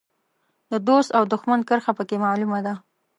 د دوست او دوښمن کرښه په کې معلومه ده.